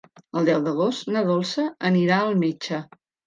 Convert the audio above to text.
El deu d'agost na Dolça anirà al metge.